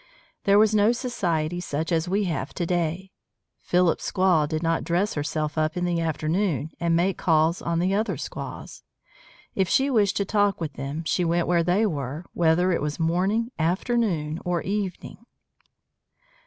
There was no society such as we have to day. Philip's squaw did not dress herself up in the afternoon, and make calls on the other squaws. If she wished to talk with them she went where they were, whether it was morning, afternoon, or evening.